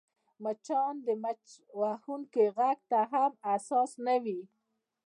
مچان د مچ وهونکي غږ ته هم حساس نه وي